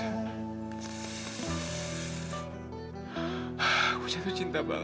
aku jatuh cinta banget sama lo